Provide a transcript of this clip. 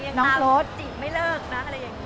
น้องจีบไม่เลิกนะอะไรอย่างนี้